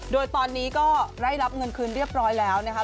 โดยตอนนี้ก็ได้รับเงินคืนเรียบร้อยแล้วนะคะ